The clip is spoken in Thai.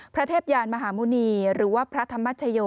เทพยานมหาหมุณีหรือว่าพระธรรมชโย